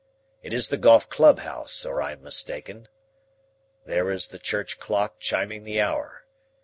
It is the golf clubhouse, or I am mistaken. There is the church clock chiming the hour.